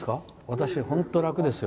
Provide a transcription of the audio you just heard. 私、本当楽ですよ。